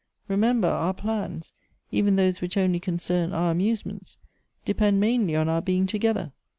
Remember, our plans, even those which only concern our amusements, depend mainly on our being together.